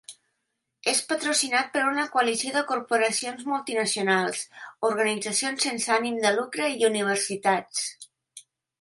És patrocinat per una coalició de corporacions multinacionals, organitzacions sense ànim de lucre i universitats.